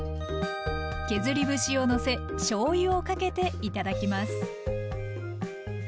削り節をのせしょうゆをかけて頂きます。